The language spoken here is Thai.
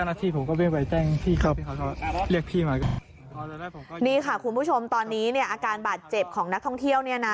นี่ค่ะคุณผู้ชมตอนนี้เนี่ยอาการบาดเจ็บของนักท่องเที่ยวเนี่ยนะ